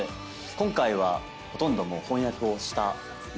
今回はほとんどもう翻訳をしたままの。